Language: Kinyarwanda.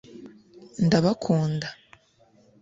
ndabakunda